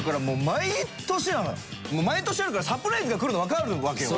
毎年あるからサプライズがくるのわかるわけよ。